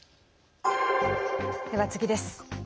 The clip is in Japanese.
では、次です。